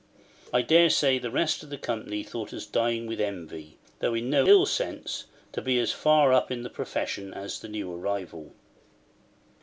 I daresay, the rest of the company thought us dying with envy, though in no ill sense, to be as far up in the profession as the new arrival.